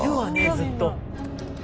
ずっと。